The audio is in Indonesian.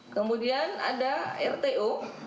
kemudian ada rto